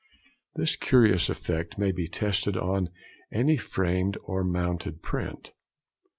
This curious effect may be tested on any framed or mounted print.